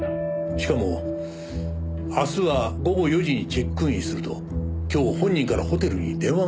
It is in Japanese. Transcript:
しかも明日は午後４時にチェックインすると今日本人からホテルに電話があったっていうんだよ。